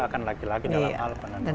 akan laki laki dalam hal penenun